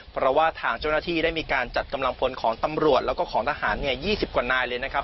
เพราะว่าทางเจ้าหน้าที่ได้มีการจัดกำลังพลของตำรวจแล้วก็ของทหาร๒๐กว่านายเลยนะครับ